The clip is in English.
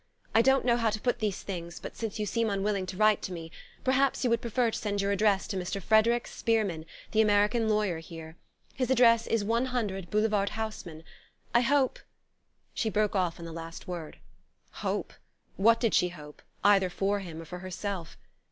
I don't know how to put these things but since you seem unwilling to write to me perhaps you would prefer to send your answer to Mr. Frederic Spearman, the American lawyer here. His address is 100, Boulevard Haussmann. I hope " She broke off on the last word. Hope? What did she hope, either for him or for herself?